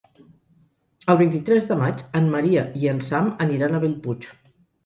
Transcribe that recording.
El vint-i-tres de maig en Maria i en Sam aniran a Bellpuig.